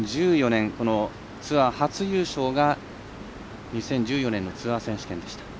ツアー初優勝が２０１４年のツアー選手権でした。